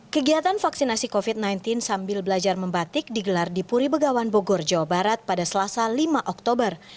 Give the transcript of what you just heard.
kegiatan vaksinasi covid sembilan belas sambil belajar membatik digelar di puri begawan bogor jawa barat pada selasa lima oktober